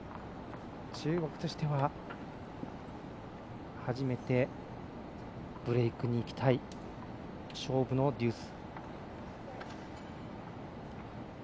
中国としては初めてブレークにいきたい勝負のデュース。